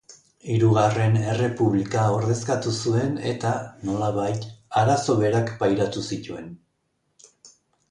Hirugarren Errepublika ordezkatu zuen eta, nolabait, arazo berak pairatu zituen.